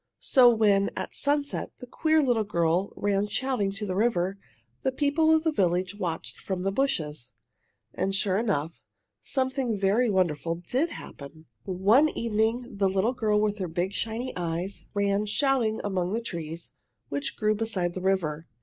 So, when at sunset the queer little girl ran shouting to the river, the people of the village watched from the bushes. And sure enough, something very wonderful did happen! One evening the little girl with her big shiny eyes ran shouting among the trees which grew beside the river.